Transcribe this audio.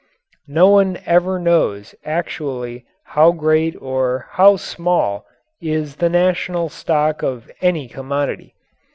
No one ever knows actually how great or how small is the national stock of any commodity.